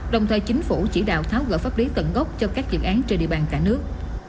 đồng thời chính phủ chỉ đạo tháo gỡ pháp lý tận gốc cho các dự án trên địa bàn cả nước